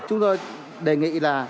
chúng tôi đề nghị là